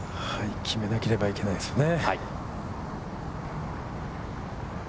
決めなければいけないですね。